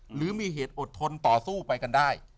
หรือมีเหตุอดทนต่อสู้ไปกันได้